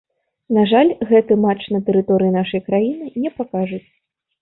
На жаль, гэты матч на тэрыторыі нашай краіны не пакажуць.